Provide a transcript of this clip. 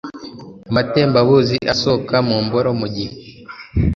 amatembabuzi asohoka mu mboro mu gihe